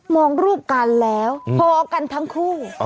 องรูปกันแล้วพอกันทั้งคู่